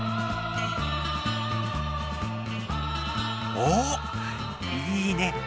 おっいいね！